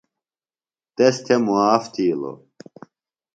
تس تھےۡ معاف تھِیلوۡ۔